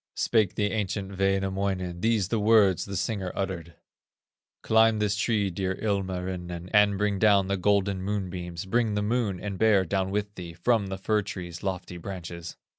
Spake the ancient Wainamoinen:, These the words the singer uttered: "Climb this tree, dear Ilmarinen, And bring down the golden moonbeams, Bring the Moon and Bear down with thee From the fir tree's lofty branches."